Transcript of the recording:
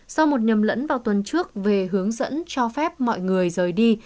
sau một nhầm lẫn vào tuần trước về hướng dẫn cho phép mọi người rời đi